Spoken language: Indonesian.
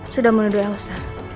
sudah muncul elsa